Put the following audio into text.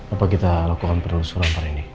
apa kita lakukan perusahaan kali ini